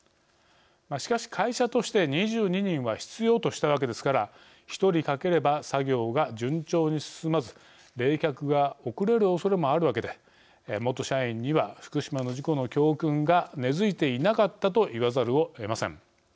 しかし、会社として２２人は必要としたわけですから１人欠ければ作業が順調に進まず冷却が遅れるおそれもあるわけで元社員には福島の事故の教訓が根づいていなかったと言わざるをえません。